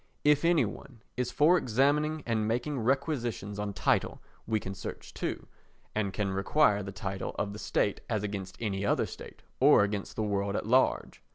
If any one is for examining and making requisitions on title we can search too, and can require the title of the state as against any other state, or against the world at large.